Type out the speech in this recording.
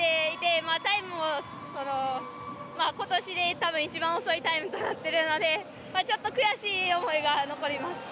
タイムもその今年で多分一番遅いタイムとなってるのでちょっと悔しい思いが残ります。